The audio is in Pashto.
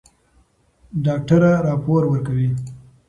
ډاکټره راپور ورکوي.